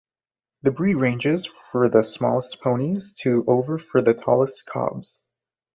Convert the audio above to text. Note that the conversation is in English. The breed ranges from for the smallest ponies to over for the tallest Cobs.